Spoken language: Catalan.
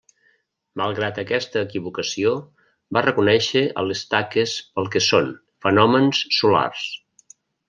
Malgrat aquesta equivocació, va reconèixer a les taques pel que són: fenòmens solars.